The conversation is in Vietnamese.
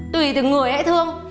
tùy từ người ấy thương